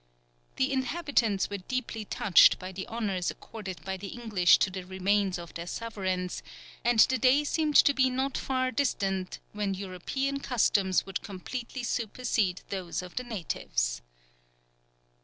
The inhabitants were deeply touched by the honours accorded by the English to the remains of their sovereigns, and the day seemed to be not far distant when European customs would completely supersede those of the natives.